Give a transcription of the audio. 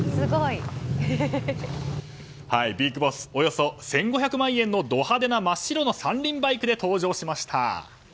ビッグボスおよそ１５００万円のド派手な真っ白の３輪バイクで登場しました。